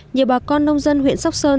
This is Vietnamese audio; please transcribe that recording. nhiều bà con nông dân huyện sóc sơn